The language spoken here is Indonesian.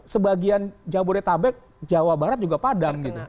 sebagian jabodetabek jawa barat juga padam gitu